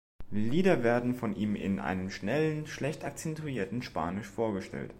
Lieder werden von ihm in einem schnellen, schlecht akzentuierten Spanisch vorgestellt.